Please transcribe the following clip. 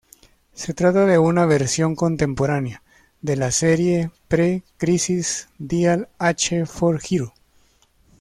Se trata de una versión contemporánea, de la serie pre-crisis Dial H for Hero.